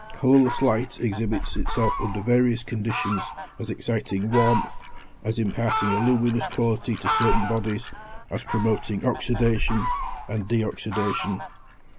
Colourless light exhibits itself under various conditions as exciting warmth, as imparting a luminous quality to certain bodies, as promoting oxydation and de oxydation.